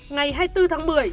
ngày hai mươi bốn tháng một mươi